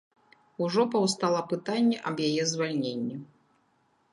Ужо паўстала пытанне аб яе звальненні.